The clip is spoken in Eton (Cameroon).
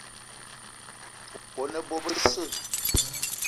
Kone bo besse